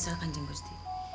saya masih ingat